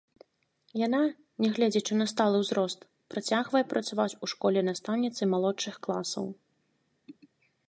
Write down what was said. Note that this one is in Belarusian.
Яна, нягледзячы на сталы ўзрост, працягвае працаваць у школе настаўніцай малодшых класаў.